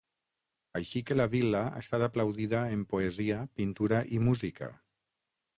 Així que la vil·la ha estat aplaudida en poesia, pintura i música.